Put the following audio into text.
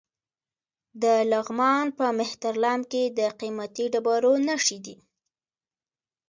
د لغمان په مهترلام کې د قیمتي ډبرو نښې دي.